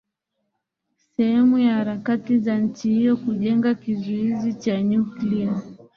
sehemu ya harakati za nchi hiyo kujenga kizuizi cha nyuklia